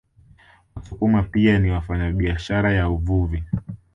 Wasukuma pia ni wafanyabiashara na uvuvi